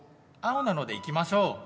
青なので行きましょう。